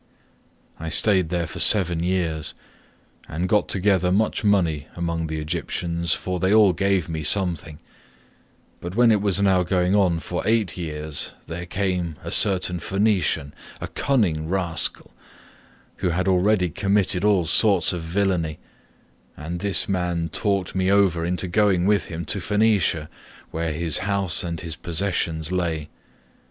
"I stayed there for seven years and got together much money among the Egyptians, for they all gave me something; but when it was now going on for eight years there came a certain Phoenician, a cunning rascal, who had already committed all sorts of villainy, and this man talked me over into going with him to Phoenicia, where his house and his possessions lay.